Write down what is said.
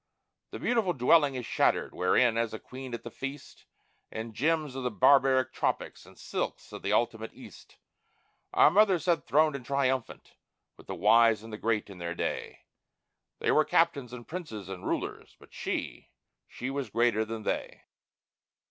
The beautiful dwelling is shattered, wherein, as a queen at the feast, In gems of the barbaric tropics and silks of the ultimate East, Our Mother sat throned and triumphant, with the wise and the great in their day. They were captains, and princes, and rulers; but She, She was greater than they.